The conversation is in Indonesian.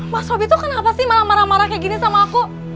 mas robby tuh kenapa sih malah marah marah kayak gini sama aku